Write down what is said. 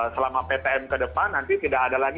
selama ptm ke depan nanti tidak ada lagi